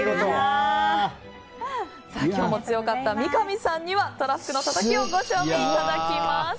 今日も強かった三上さんにはとらふくのたたきをご賞味いただきます。